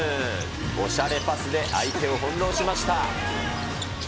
おしゃれパスで、相手を翻弄しました。